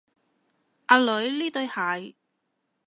阿女，呢對鞋